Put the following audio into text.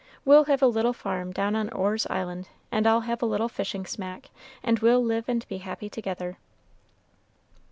We'll have a little farm down on Orr's Island, and I'll have a little fishing smack, and we'll live and be happy together."